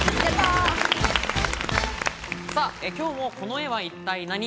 今日も「この絵は一体ナニ！？」